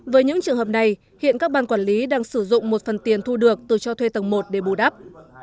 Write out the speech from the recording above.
với những trường hợp này hiện các ban quản lý đang sử dụng một phần tiền thu được từ cho thuê tầng một để bù đắp